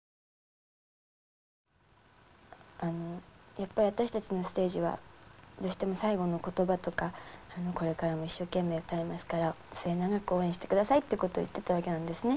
やっぱり私たちのステージはどうしても最後の言葉とかこれからも一生懸命歌いますから末永く応援して下さいっていうことを言ってたわけなんですね。